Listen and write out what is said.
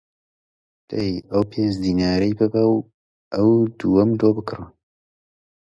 دەی ئەو پێنج دینارە بەرە و ئەو دوانەم بۆ بکڕە!